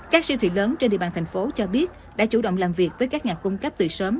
các siêu thị lớn trên địa bàn thành phố cho biết đã chủ động làm việc với các nhà cung cấp từ sớm